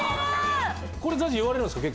これＺＡＺＹ言われるんですか？